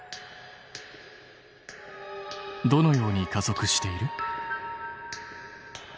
どのように加速している？